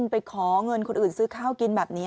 ไปขอเงินคนอื่นซื้อข้าวกินแบบนี้